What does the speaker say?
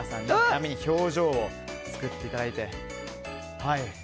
波に表情を作っていただいて。